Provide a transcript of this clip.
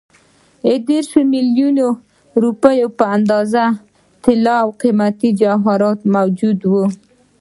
د دېرشو میلیونو روپیو په اندازه طلا او قیمتي جواهرات موجود وو.